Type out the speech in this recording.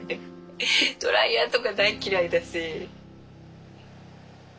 ドライヤーとか大嫌いだし。